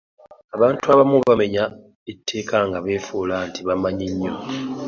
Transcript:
Abantu abamu bamenya etteeka nga beefuula nti bamanyi nnyo.